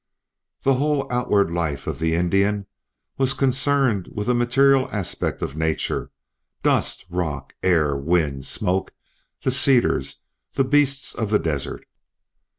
The whole outward life of the Indian was concerned with the material aspect of Nature dust, rock, air, wind, smoke, the cedars, the beasts of the desert.